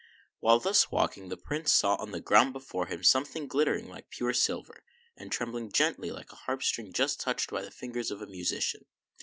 While thus walking, the Prince saw on the ground be fore him something glittering like pure silver, and trembling gently like a harp string just touched by the fingers of a musi cian.